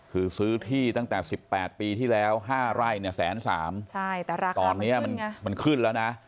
คือซื้อที่ตั้งแต่๑๘ปีที่แล้ว๕ไร่เนี่ยแสนสามใช่แต่ราคาตอนนี้มันขึ้นแล้วนะ